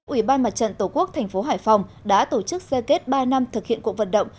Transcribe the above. ủy ban mặt trận tổ quốc tp hải phòng đã tổ chức xe kết ba năm thực hiện cuộc vận động